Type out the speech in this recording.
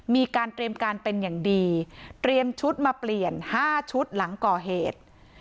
มีการเตรียมการเป็นอย่างดีเตรียมชุดมาเปลี่ยน๕ชุดหลังก่อเหตุ